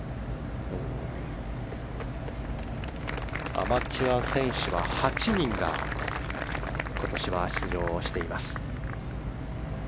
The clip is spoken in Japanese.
アマチュア選手は８人が今年は出場しています。